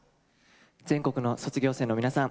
全国の卒業生の皆さん